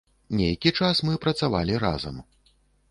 Нейкі час мы працавалі разам.